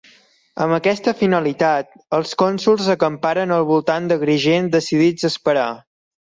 Amb aquesta finalitat, els cònsols acamparen al voltant d'Agrigent, decidits a esperar.